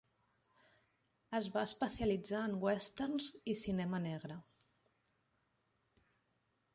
Es va especialitzar en westerns i cinema negre.